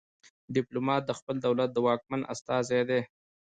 ډیپلومات د خپل دولت د واکمن استازی دی